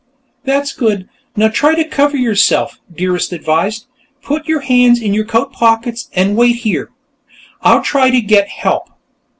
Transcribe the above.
"That's good; now try to cover yourself," Dearest advised. "Put your hands in your coat pockets. And wait here; I'll try to get help."